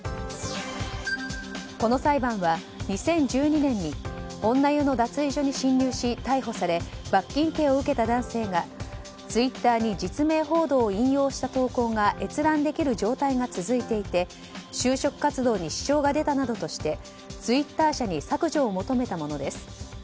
この裁判は２０１２年に女湯の脱衣所に侵入し逮捕され、罰金刑を受けた男性がツイッターに実名報道を引用した投稿が閲覧できる状態が続いていて就職活動に支障が出たなどとしてツイッター社に削除を求めたものです。